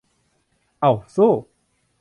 เอ้า สู้ !